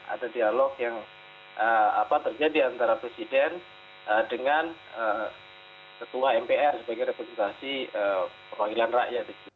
ada dialog yang terjadi antara presiden dengan ketua mpr sebagai representasi perwakilan rakyat